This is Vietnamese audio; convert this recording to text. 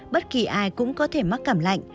bất kỳ ai cũng có thể mắc cảm lạnh